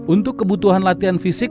untuk kebutuhan latihan fisik